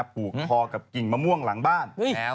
ผูกคอกับกิ่งมะม่วงหลังบ้าน